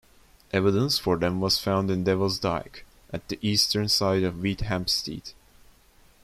Evidence for them was found in Devil's Dyke, at the eastern side of Wheathampstead.